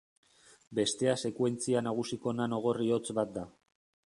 Bestea sekuentzia nagusiko nano gorri hotz bat da.